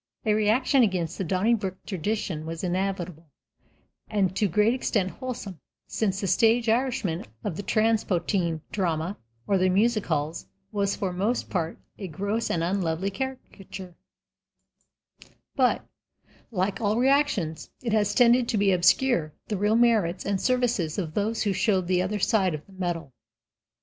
A reaction against the Donnybrook tradition was inevitable and to a great extent wholesome, since the stage Irishman of the transpontine drama or the music halls was for the most part a gross and unlovely caricature, but, like all reactions, it has tended to obscure the real merits and services of those who showed the other side of the medal.